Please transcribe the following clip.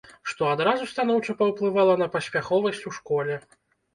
Што адразу станоўча паўплывала на паспяховасць у школе.